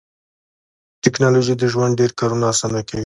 ټکنالوژي د ژوند ډېر کارونه اسانه کړي